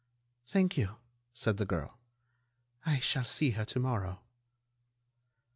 "Thank you," said the girl; "I shall see her to morrow."